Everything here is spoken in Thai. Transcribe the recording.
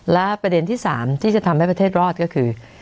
และประเด็นที่๓ที่จะทำให้ประเทศรอดก็คือ